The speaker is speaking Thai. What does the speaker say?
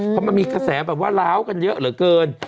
เพราะมันมีกระแสแบบว่าล้าวกันเยอะเหลือเกิน